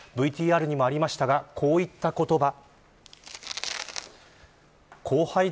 ＶＴＲにもありましたがこういった言葉。